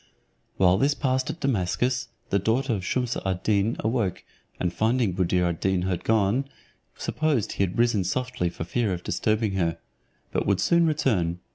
While this passed at Damascus, the daughter of Shumse ad Deen awoke, and finding Buddir ad Deen gone, supposed he had risen softly for fear of disturbing her, but would soon return.